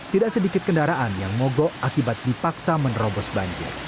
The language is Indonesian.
tidak sedikit kendaraan yang mogok akibat dipaksa menerobos banjir